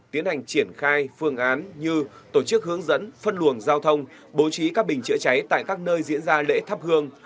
tiến hành triển khai phương án như tổ chức hướng dẫn phân luồng giao thông bố trí các bình chữa cháy tại các nơi diễn ra lễ thắp hương